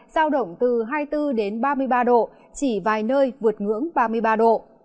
giao động từ hai mươi bốn đến ba mươi ba độ chỉ vài nơi vượt ngưỡng ba mươi ba độ